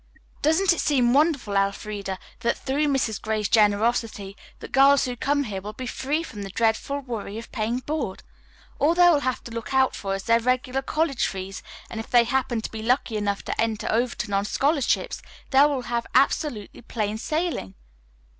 "Doesn't it seem wonderful, Elfreda, that through Mrs. Gray's generosity the girls who come here will be free from the dreadful worry of paying board? All they will have to look out for is their regular college fees, and if they happen to be lucky enough to enter Overton on scholarships they will have absolutely plain sailing."